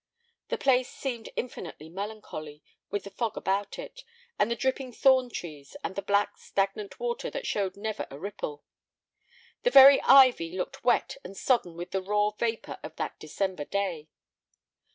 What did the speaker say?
The place seemed infinitely melancholy with the fog about it, and the dripping thorn trees and the black, stagnant water that showed never a ripple. The very ivy looked wet and sodden with the raw vapor of that December day.